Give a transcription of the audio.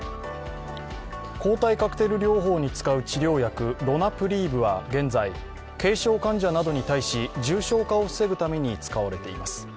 抗体カクテル療法に使う治療薬ロナプリーブは現在軽症患者などに対し、重症化を防ぐために使われています。